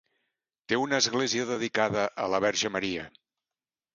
Té una església dedicada a la Verge Maria.